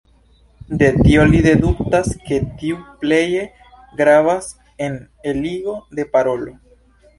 De tio li deduktas ke tiu pleje gravas en eligo de parolo.